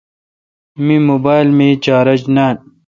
می موبایل مے چارج نان۔